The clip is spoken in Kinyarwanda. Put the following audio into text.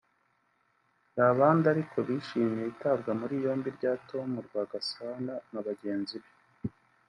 Hari abandi ariko bishimiye itabwa muri yombi rya Tom Rwagasana na bagenzi be